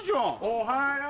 おはよう。